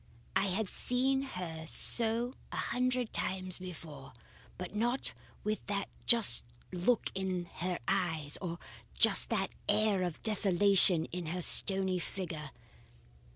I had seen her so a hundred times before, but not with just that look in her eyes, or just that air of desolation in her stony figure.